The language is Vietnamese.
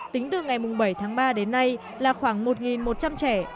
tính từ ngày bảy tháng ba đến nay là khoảng một một trăm linh trẻ